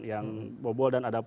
yang bobol dan ada